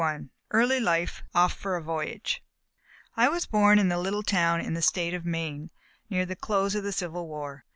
* *Early Life; Off for a Voyage.* I was born in a little town in the State of Maine, near the close of the Civil War.